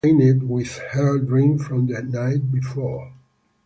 The mat is stained with her drink from the night before.